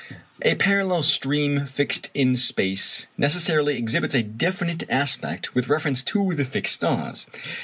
] A parallel stream fixed in space necessarily exhibits a definite aspect with reference to the fixed stars.